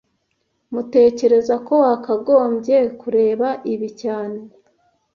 Tmutekereza ko wakagombye kureba ibi cyane